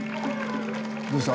どうした？